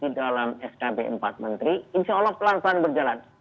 dan diikuti semua petunjuk di dalam skb empat menteri insya allah pelaksanaan berjalan